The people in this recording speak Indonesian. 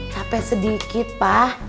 capek sedikit pak